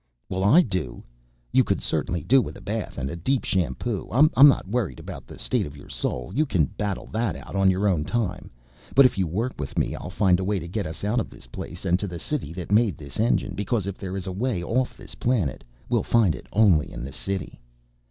"Well I do. You could certainly do with a bath and a deep shampoo. I'm not worried about the state of your soul, you can battle that out on your own time. But if you work with me I'll find a way to get us out of this place and to the city that made this engine, because if there is a way off this planet we'll find it only in the city."